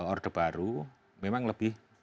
orde baru memang lebih